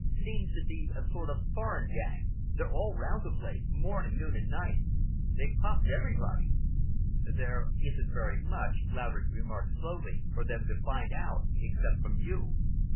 Seems to be a sort of foreign gang. They're all round the place, morning, noon, and night. They've pumped everybody." "There isn't very much," Laverick remarked slowly, "for them to find out except from you."